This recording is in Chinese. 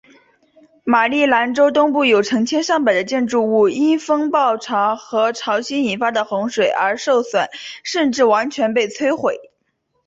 马里兰州东部有成百上千的建筑物因风暴潮和潮汐引发的洪水而受损甚至完全被摧毁。